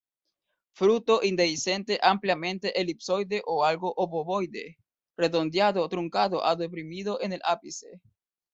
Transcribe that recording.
Fruto indehiscente ampliamente elipsoide o algo obovoide, redondeado truncado a deprimido en el ápice.